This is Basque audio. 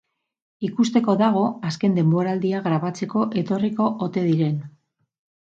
Ikusteko dago azken denboraldia grabatzeko etorriko ote diren.